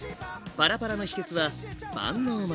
パラパラの秘けつは万能米。